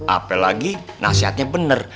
apel lagi nasihatnya bener